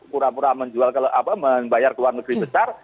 pura pura menjual apa membayar ke luar negeri besar